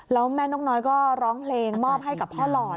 แล้วแม่นกน้อยก็ร้องเพลงมอบให้กับพ่อหลอด